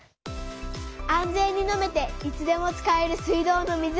安全に飲めていつでも使える水道の水。